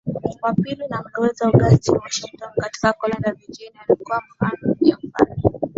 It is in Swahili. wa pili wa mlowezi Augustine Washington katika koloni la Virginia lililokuwa mali ya mfalme